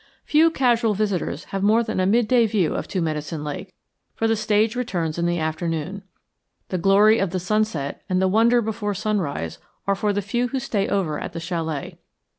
Few casual visitors have more than a midday view of Two Medicine Lake, for the stage returns in the afternoon. The glory of the sunset and the wonder before sunrise are for the few who stay over at the chalet.